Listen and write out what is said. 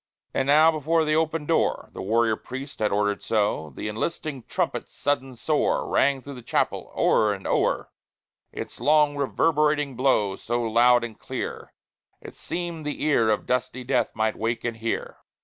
And now before the open door The warrior priest had order'd so The enlisting trumpet's sudden soar Rang through the chapel, o'er and o'er, Its long reverberating blow, So loud and clear, it seem'd the ear Of dusty death must wake and hear.